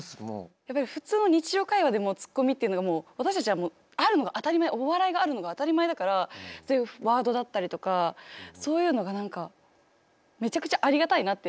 やっぱり普通の日常会話でもツッコミっていうのがもう私たちはあるのが当たり前お笑いがあるのが当たり前だからそういうワードだったりとかそういうのが何かめちゃくちゃありがたいなって。